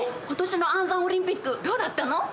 今年の暗算オリンピックどうだったの？